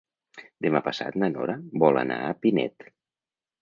Demà passat na Nora vol anar a Pinet.